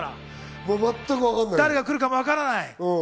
誰か来るかもわからない。